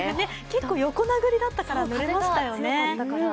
結構横殴りだったからぬれましたよね。